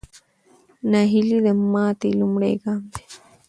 ناهیلي د ماتې لومړی ګام دی.